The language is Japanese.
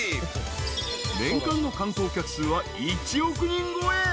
［年間の観光客数は１億人超え］